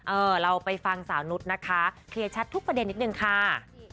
เออเราไปฟังสาวนุษย์นะคะเคลียร์ชัดทุกประเด็นนิดนึงค่ะ